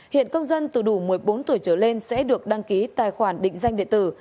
hiện công dân từ đủ một mươi bốn tuổi trở lên sẽ được đăng ký tài khoản định danh điện tử